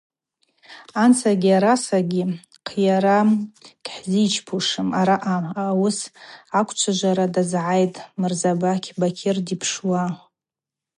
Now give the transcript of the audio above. Ансагьи арсагьи хъйара гьхӏзичпушым араъа, – ауыс аквчважвара дазгӏайхтӏ Мырзабакь Бакьыр дипшуа.